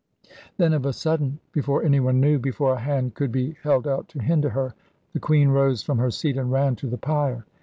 Then of a sudden, before anyone knew, before a hand could be held out to hinder her, the queen rose from her seat and ran to the pyre.